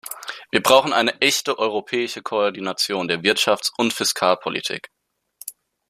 Wir brauchen eine echte europäische Koordination der Wirtschaftsund Fiskalpolitik.